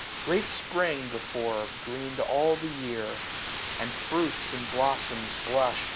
Great Spring, before. Greened all the year ; and fruits and blossoms blush'd.